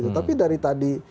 tapi dari tadi